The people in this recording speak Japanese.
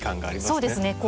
そうですね。